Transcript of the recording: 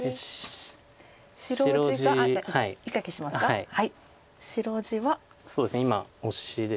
はい。